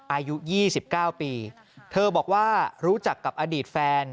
อายุยี่สิบเก้าปีเธอบอกว่ารู้จักกับอดีตแฟน